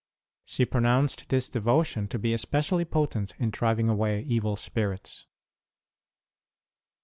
She pronounced this devotion to be especially potent in driving away evil spirits.